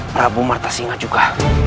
prabu marta singa juga